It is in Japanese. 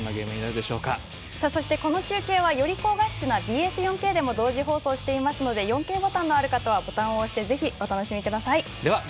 そしてこの中継はより高画質なＢＳ４Ｋでも同時中継していますので４Ｋボタンのある方はボタンを押して４Ｋ放送でもお楽しみください。